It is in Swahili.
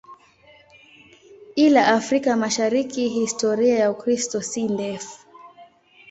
Ila Afrika Mashariki historia ya Ukristo si ndefu.